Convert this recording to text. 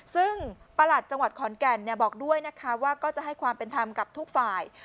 ซึ่งประหลัดจังหวัดขอนแก่นบอกด้วยนะคะว่าก็จะให้ความเป็นธรรมกับทุกฝ่าย